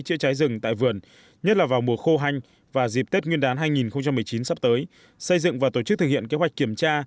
chữa cháy rừng tại vườn nhất là vào mùa khô hanh và dịp tết nguyên đán hai nghìn một mươi chín sắp tới xây dựng và tổ chức thực hiện kế hoạch kiểm tra